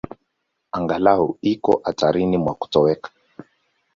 Angalau iko hatarini mwa kutoweka.